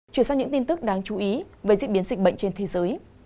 chuyển sang những tin tức đáng chú ý về diễn biến dịch bệnh trên thế giới